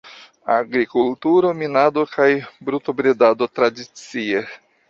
Agrikulturo, minado kaj brutobredado tradicie.